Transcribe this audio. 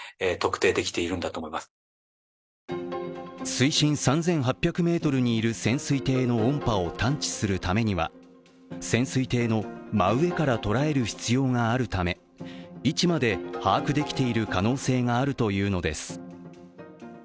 水深３８００ｍにいる潜水艇の音波を探知するためには潜水艇の真上から捉える必要があるため位置まで把握できている可能性があるというのです。